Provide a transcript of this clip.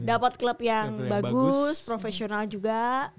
dapat klub yang bagus profesional juga